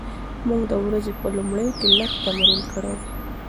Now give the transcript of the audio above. موږ د ورځې په لومړیو کې لږ تمرین کړی دی.